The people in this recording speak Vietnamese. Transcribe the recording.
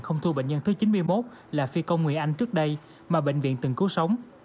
không thu bệnh nhân thứ chín mươi một là phi công người anh trước đây mà bệnh viện từng cứu sống